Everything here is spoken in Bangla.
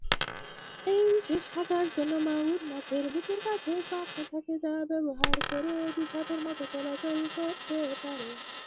এই বিশেষ হাঁটার জন্য মাগুর মাছের বুকের কাছে পাখনা থাকে যা ব্যবহার করে এটি সাপের মত চলাচল করতে পারে।